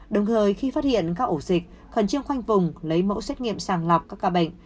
đồng thời khi phát hiện các ổ dịch khẩn trương khoanh vùng lấy mẫu xét nghiệm sàng lọc các ca bệnh